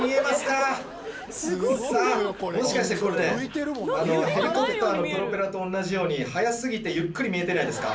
もしかしてこれねヘリコプターのプロペラと同じように速すぎてゆっくり見えてないですか？